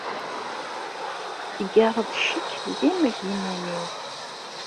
Teggareḍ ccekk dima deg iman-iw.